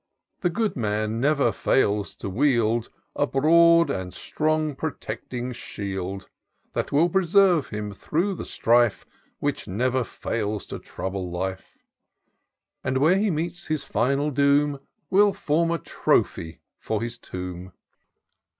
The good man never fails to wield A broad and strong protectuig shield. That will preserve him through the strife Which never fails to trouble life ; And, when he meets his final doom. Will form a trophy for his tomb.